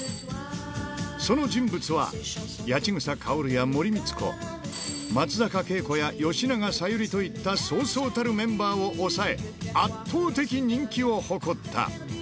その人物は、八千草薫や森光子、松坂慶子や吉永小百合といったそうそうたるメンバーを抑え、圧倒的人気を誇った。